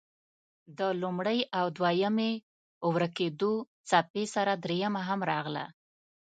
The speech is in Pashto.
د لومړۍ او دویمې ورکېدو څپې سره دريمه هم راغله.